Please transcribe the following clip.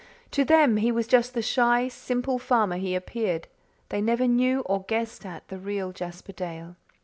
To them, he was just the shy, simple farmer he appeared. They never knew or guessed at the real Jasper Dale.